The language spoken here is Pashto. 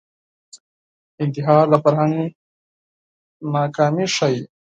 انتحار د فرهنګ ناکامي ښيي